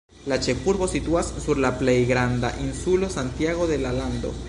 La ĉefurbo situas sur la plej granda insulo Santiago de la lando.